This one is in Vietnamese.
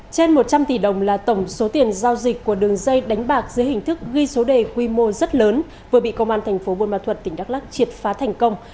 trên một trăm linh tỷ đồng là tổng số tiền giao dịch của đường dây đánh bạc dưới hình thức ghi số đề quy mô rất lớn vừa bị công an thành phố buôn ma thuật tỉnh đắk lắc triệt phá thành công